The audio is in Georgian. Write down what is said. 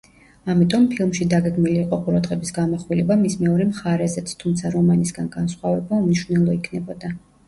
ამიტომ ფილმში დაგეგმილი იყო ყურადღების გამახვილება მის მეორე მხარეზეც, თუმცა რომანისგან განსხვავება უმნიშვნელო იქნებოდა.